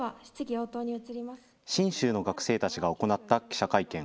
信州の学生たちが行った記者会見。